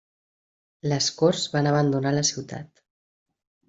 Les corts van abandonar la ciutat.